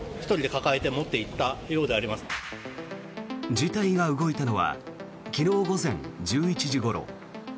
事態が動いたのは昨日午前１１時ごろ。